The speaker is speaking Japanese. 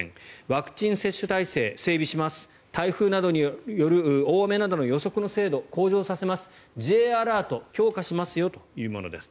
ワクチン接種体制整備します台風などによる大雨などの予測の精度を向上させますＪアラート強化しますよというものです。